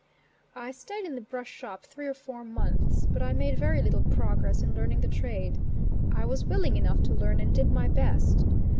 I stayed in the brush shop three or four months, but I made very little progress in learning the trade. I was willing enough to learn and did my best.